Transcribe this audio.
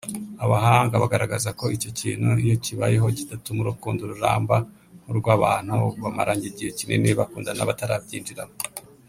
Abahanga bagaragaza ko icyo kintu iyo kibayeho kidatuma urukundo ruramba nk’urw’abantu bamaranye igihe kinini bakundana batarabyinjiramo